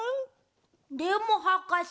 でもはかせ。